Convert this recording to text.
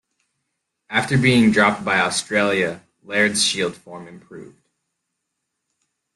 After being dropped by Australia Laird's Shield form improved.